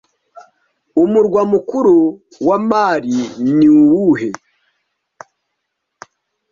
Umurwa mukuru wa mali ni uwuhe